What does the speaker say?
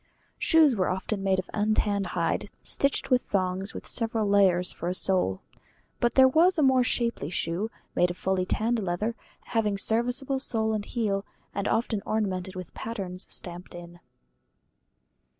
Shoes were often made of untanned hide stitched with thongs, with several layers for a sole. But there was a more shapely shoe, made of fully tanned leather, having serviceable sole and heel, and often ornamented with patterns stamped in.